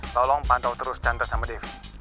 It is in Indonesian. tolong pantau terus chandra sama devi